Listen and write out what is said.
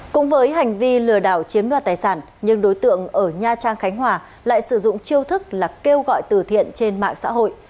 cũng với hành vi lừa đảo chiếm đoạt tài sản nhưng đối tượng ở nha trang khánh hòa lại sử dụng chiêu thức là kêu gọi từ thiện trên mạng xã hội